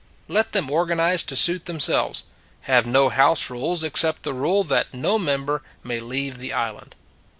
Let them organize to suit themselves. Have no house rules except the rule that no member may leave the island.